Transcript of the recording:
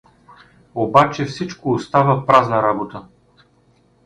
Обаче всичко остава празна работа.